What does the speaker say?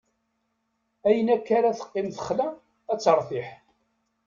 Ayen akk ara teqqim texla, ad teṛtiḥ.